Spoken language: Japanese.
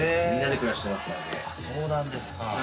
そうなんですか。